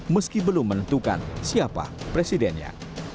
meski belum menentukan siapa presidennya